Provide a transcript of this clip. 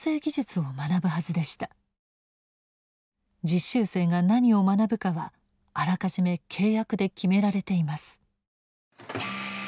実習生が何を学ぶかはあらかじめ契約で決められています。